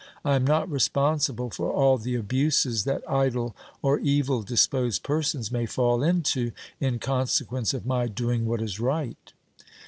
I am not responsible for all the abuses that idle or evil disposed persons may fall into, in consequence of my doing what is right."